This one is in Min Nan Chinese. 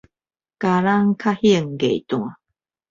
擔籠較興藝旦